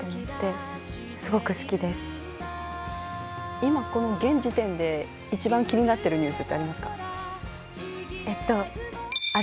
今、この現時点で一番気になっているニュースってありますか？